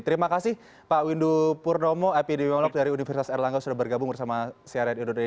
terima kasih pak windu purnomo epidemiolog dari universitas erlangga sudah bergabung bersama cnn indonesia